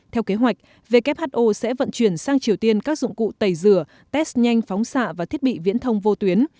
theo kế hoạch who sẽ vận chuyển sang triều tiên các dụng cụ tẩy rửa test nhanh phóng xạ và thiết bị viễn thông vô tuyến